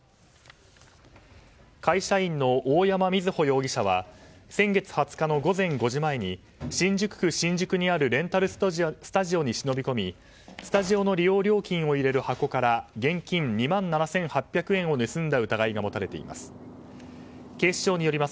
会社員の大山瑞穂容疑者は先月２０日の午前５時前に新宿区市新宿にあるレンタルスタジオに忍び込みスタジオの利用料金を入れる箱から現金２万７８００円を盗んだ疑いが持たれています。